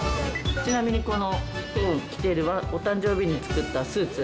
ちなみにこのきょう着てるお誕生日に作ったスーツ。